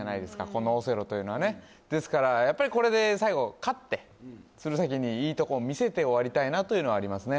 このオセロというのはねですからやっぱりこれで最後勝って鶴崎にいいところを見せて終わりたいなというのはありますね